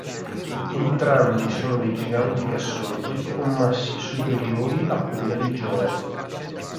Entrambi sono dei giganti gassosi con masse superiori a quella di Giove.